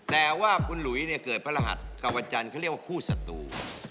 แต่ว่าคุณหลุยเกิดพระรหัสกับวันจันทร์เขาเรียกว่าคู่ศัตรู